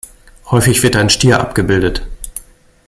Häufig wird ein Stier abgebildet.